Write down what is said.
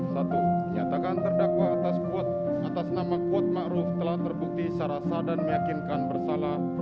satu nyatakan terdakwa atas nama kuat ma'ruf telah terbukti secara sah dan meyakinkan bersalah